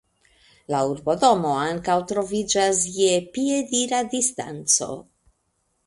La urbodomo ankaŭ troviĝas je piedira distanco.